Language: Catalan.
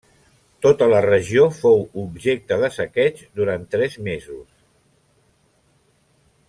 Tota la regió fou objecte de saqueig durant tres mesos.